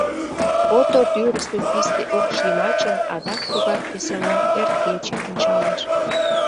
Ото тӱрысӧ писте укш йымачын адак тугак веселан эр кече ончалеш.